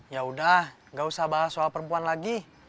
ya udah gak usah bahas soal perempuan lagi